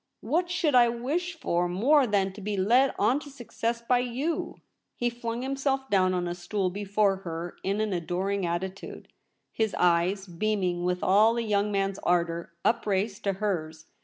What should I wish for more than to be led on to success — by yozi P' He flung himself down on a stool before her In an adoring attitude, his eyes, beaming with all a young man's ardour, upraised to hers.